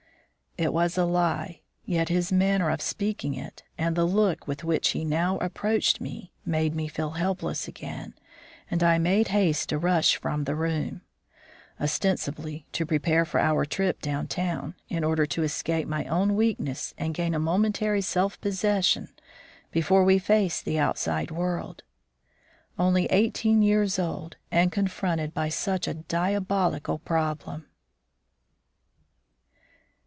It was a lie yet his manner of speaking it, and the look with which he now approached me, made me feel helpless again, and I made haste to rush from the room, ostensibly to prepare for our trip down town, in order to escape my own weakness and gain a momentary self possession before we faced the outside world. Only eighteen years old and confronted by such a diabolical problem!